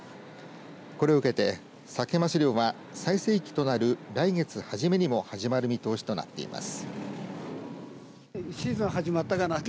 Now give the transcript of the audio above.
これを受けて、サケ・マス漁は最盛期となる来月初めにも始まる見通しとなっています。